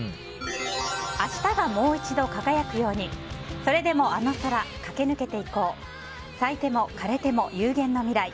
明日がもう一度輝くようにそれでもあの空駆け抜けていこう咲いても枯れても有限の未来